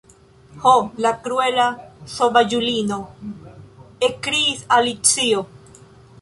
"Ho, la kruela sovaĝulino," ekkriis Alicio.